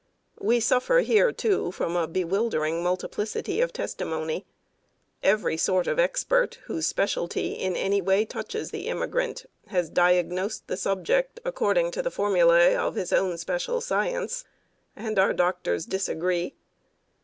We suffer here, too, from a bewildering multiplicity of testimony. Every sort of expert whose specialty in any way touches the immigrant has diagnosed the subject according to the formulæ of his own special science and our doctors disagree!